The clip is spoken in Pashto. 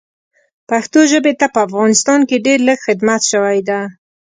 پښتو ژبې ته په افغانستان کې ډېر لږ خدمت شوی ده